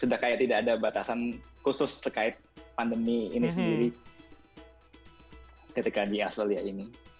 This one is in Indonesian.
sudah kayak tidak ada batasan khusus terkait pandemi ini sendiri ketika di australia ini